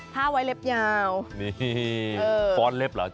เขาไว้เล็บยาว